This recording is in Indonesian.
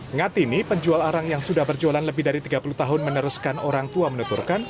ngatini penjual arang yang sudah berjualan lebih dari tiga puluh tahun meneruskan orang tua menuturkan